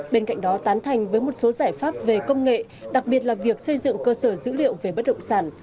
bên cạnh đó tán thành với một số giải pháp về công nghệ đặc biệt là việc xây dựng cơ sở dữ liệu về bất động sản